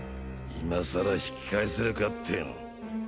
今さら引き返せるかってぇの。